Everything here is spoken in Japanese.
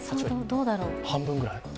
半分ぐらい？